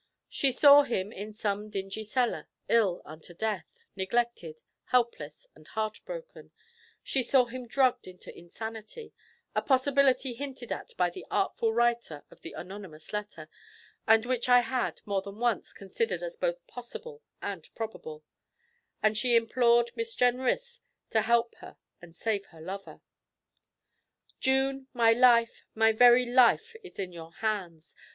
She saw him in some dingy cellar, ill unto death, neglected, helpless, and heartbroken; she saw him drugged into insanity, a possibility hinted at by the artful writer of the anonymous letter, and which I had, more than once, considered as both possible and probable, and she implored Miss Jenrys to help her and save her lover. 'June, my life, my very life is in your hands!